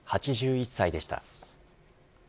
８１歳でした。